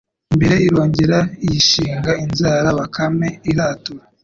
imbere irongera iyishinga inzara Bakame iratura